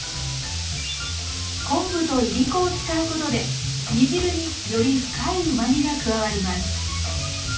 昆布といりこを使うことで煮汁により深いうまみが加わります。